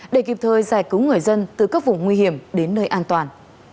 để kịp thời giải cứu người dân từ các vùng nguy hiểm đến nơi an toàn